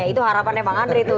itu harapannya bang andre tuh